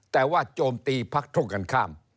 แต่ว่าโจมตีภักษ์ทุกข์กันข้าม